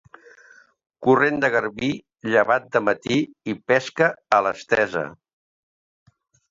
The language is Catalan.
Corrent de garbí, lleva't de matí i pesca a l'estesa.